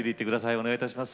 お願いいたします。